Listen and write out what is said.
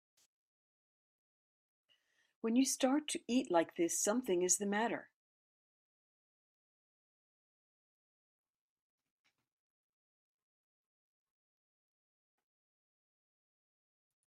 When you start to eat like this something is the matter.